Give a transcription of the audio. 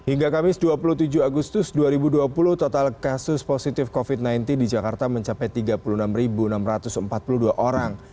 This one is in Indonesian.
hingga kamis dua puluh tujuh agustus dua ribu dua puluh total kasus positif covid sembilan belas di jakarta mencapai tiga puluh enam enam ratus empat puluh dua orang